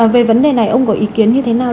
về vấn đề này ông có ý kiến như thế nào